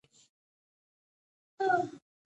شورا جوړه کړه.